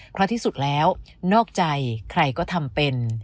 เพราะที่สุดแล้วนอกใจใครก็ทำเป็น